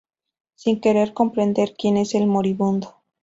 Sin querer comprender quien es el moribundo